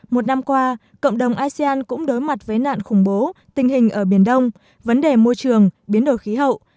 một năm qua cộng đồng asean cũng đối mặt với nạn khủng bố tình hình ở biển đông vấn đề môi trường biến đổi khí hậu